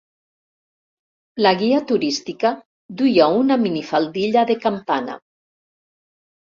La guia turística duia una minifaldilla de campana.